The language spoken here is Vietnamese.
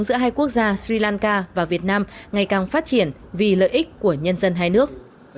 giữa hai quốc gia sri lanka và việt nam ngày càng phát triển vì lợi ích của nhân dân hai nước